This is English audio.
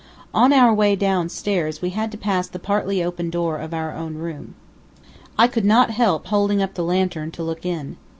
On our way down stairs we had to pass the partly open door of our own room. I could not help holding up the lantern to look in.